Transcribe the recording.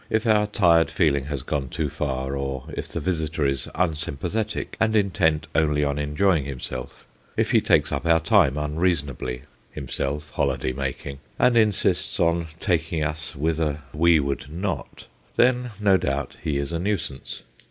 If our tired feeling has gone too far, or if the visitor is unsympathetic and intent only on enjoying himself if he takes up our time unreason ably, himself holiday making, and insists on taking us whither we would not then no doubt he is a nuisance.